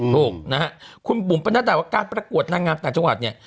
ถูกนะฮะคุณบุ๋มปนัดดาว่าการประกวดนางงามต่างจังหวัดเนี่ย